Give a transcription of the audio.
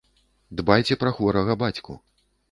Дбайце пра хворага бацьку.